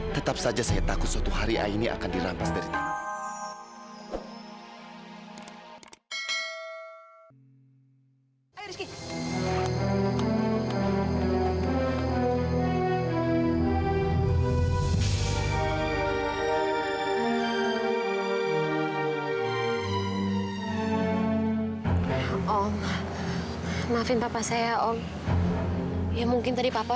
tetap saja saya takut suatu hari ini akan dirantas dari tangan